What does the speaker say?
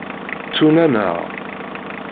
Ttun-aneɣ.